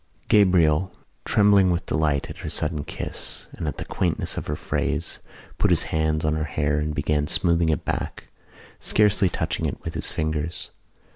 Gabriel, trembling with delight at her sudden kiss and at the quaintness of her phrase, put his hands on her hair and began smoothing it back, scarcely touching it with his fingers.